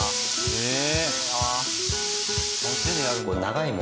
へえ！